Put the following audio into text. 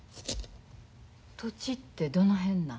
土地ってどの辺なん？